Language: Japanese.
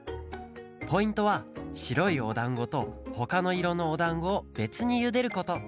ポイントはしろいおだんごとほかのいろのおだんごをべつにゆでること。